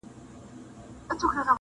په ګردش کي زما د عمر فیصلې دي,